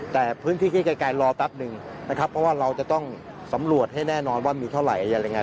แต่พื้นที่ใกล้รอแป๊บหนึ่งนะครับเพราะว่าเราจะต้องสำรวจให้แน่นอนว่ามีเท่าไหร่อะไรยังไง